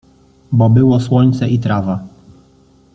Bo było słońce i trawa.